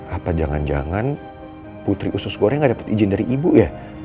apa jangan jangan putri usus goreng nggak dapat izin dari ibu ya